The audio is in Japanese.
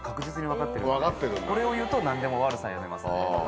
これを言うと何でも悪さやめますね。